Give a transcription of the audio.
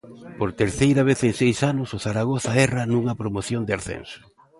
Por terceira vez en seis anos o Zaragoza erra nunha promoción de ascenso.